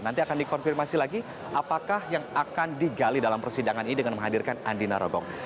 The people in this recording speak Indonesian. nanti akan dikonfirmasi lagi apakah yang akan digali dalam persidangan ini dengan menghadirkan andi narogong